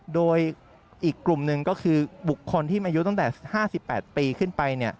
โดยอีกกลุ่มหนึ่งก็คือบุคคลที่มีอายุตั้งแต่๕๘ปีขึ้นไป